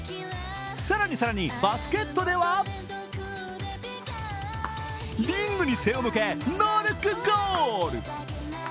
更に更にバスケットではリングに背を向けノールックゴール。